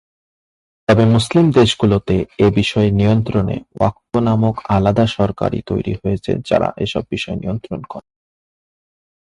তবে মুসলিম দেশগুলোতে এ বিষয়ে নিয়ন্ত্রণে ওয়াকফ নামক আলাদা সরকারি তৈরি হয়েছে যারা এসব বিষয় নিয়ন্ত্রণ করে।